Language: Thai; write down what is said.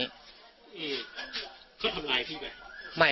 คือเขาทำร้ายพี่ไหม